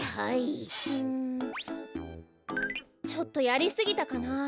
ちょっとやりすぎたかな？